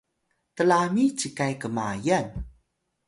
tlamiy cikay kmayal